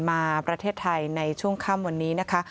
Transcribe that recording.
มาประเทศไทยในช่วงค่ำวันนี้นะคะ